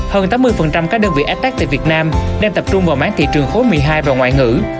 hơn tám mươi các đơn vị ftak tại việt nam đang tập trung vào mán thị trường khối một mươi hai và ngoại ngữ